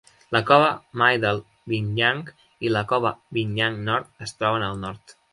La cova Middle Binyang i la cova Binyang nord es troben al nord.